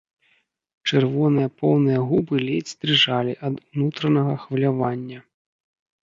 Чырвоныя поўныя губы ледзь дрыжалі ад унутранага хвалявання.